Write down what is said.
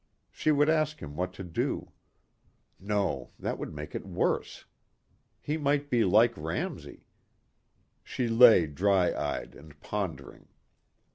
She would ask him what to do. No, that would make it worse. He might be like Ramsey. She lay dry eyed and pondering.